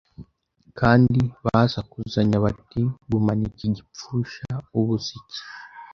Kandi basakuzanya bati Gumana iki Gupfusha ubusa iki